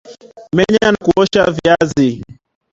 Menya na kuosha viazi